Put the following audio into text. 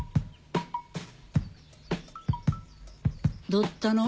どったの？